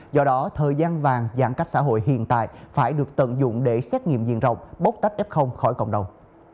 do đó thời gian vàng giãn cách xã hội hiện tại phải được tận dụng để xét nghiệm diện rộng bốc tách f khỏi cộng đồng